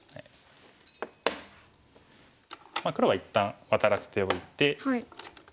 黒は一旦ワタらせておいて。